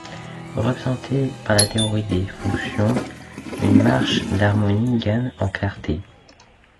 Représentée par la théorie des fonctions, une marche d'harmonie gagne en clarté.